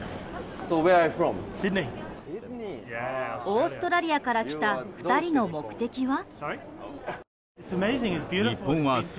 オーストラリアから来た２人の目的は？